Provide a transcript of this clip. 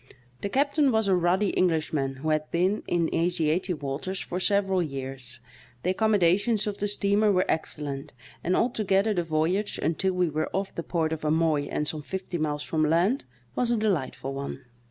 The captain was a ruddy English man, who had been in Asiatic waters for several years; the accommodations of the steamer were excellent, and altogether the voyage, until we were off the port of Amoy and some fifty miles from land, was a delightful one.